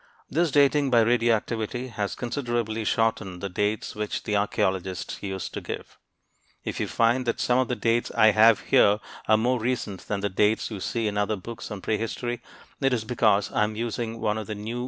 This dating by radioactivity has considerably shortened the dates which the archeologists used to give. If you find that some of the dates I give here are more recent than the dates you see in other books on prehistory, it is because I am using one of the new lower dating systems.